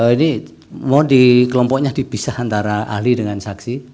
ini mau di kelompoknya dibisah antara ahli dengan saksi